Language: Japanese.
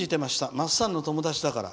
まっさんの友達だから」。